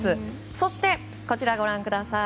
そしてこちらご覧ください。